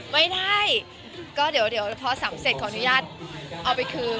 ไม่ได้ก็เดี๋ยวพอสำเสร็จขออนุญาตเอาไปคืน